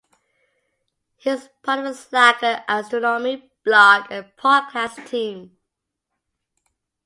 He is part of the "Slacker Astronomy" blog and podcast team.